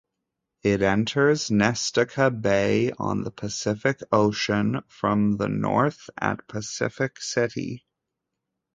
It enters Nestucca Bay, on the Pacific Ocean, from the north at Pacific City.